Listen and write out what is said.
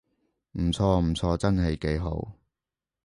唔錯唔錯，真係幾好